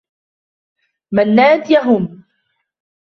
منّاد يهم.